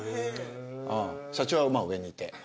社長は上にいて。